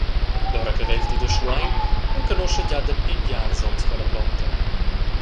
Dora Cavelty da Schluein enconuscha gia dapi biars onns quella plonta.